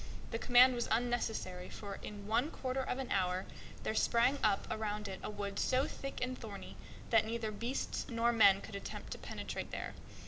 The command was unnecessary, for in one quarter of an hour there sprang up around it a wood so thick and thorny that neither beasts nor men could attempt to penetrate there.